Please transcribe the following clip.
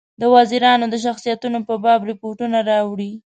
د وزیرانو د شخصیتونو په باب رپوټونه راوړي.